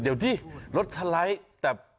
อ่ะเดี๋ยวสิรถสไลด์แบบ